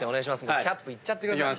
キャップいっちゃってください。